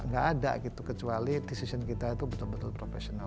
gak ada gitu kecuali decision kita itu betul betul profesional